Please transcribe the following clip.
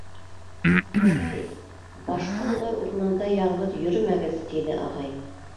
— Ярай, башҡа улай урманда яңғыҙ йөрөмәгеҙ, — тине ағай.